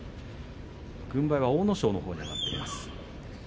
軍配は阿武咲に上がっています。